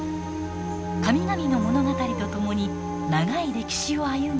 神々の物語とともに長い歴史を歩んできました。